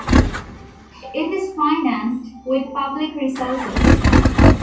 It is financed with public resources.